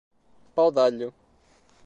Paudalho